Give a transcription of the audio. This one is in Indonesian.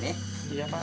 tidak ada apa apa